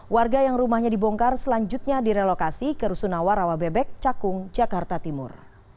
warga yang rumahnya dibongkar selanjutnya direlokasi ke rusunawa rawabebek cakung jakarta timur